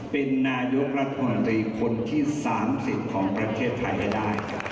เป็นนายกละวิชคนที่๓สิบของประเทศไทยให้ได้